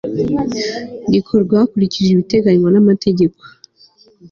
rikorwa hakurikijwe ibiteganywa n amategeko